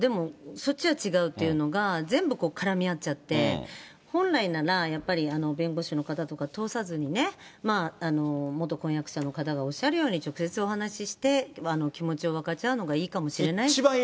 そっちは違うっていうのが、全部絡み合っちゃって、本来なら、やっぱり弁護士の方とか通さずにね、まあ、元婚約者の方がおっしゃるように、直接お話しして、気持ちを分かち合うのがいいかもしれない。